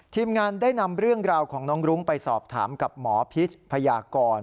ทีมงานได้นำเรื่องราวของน้องรุ้งไปสอบถามกับหมอพิษพยากร